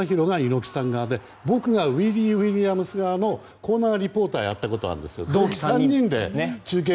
猪木さん側で僕がウィーリー・ウィリアムス側のコーナーリポーターをやったことがあるんですよ。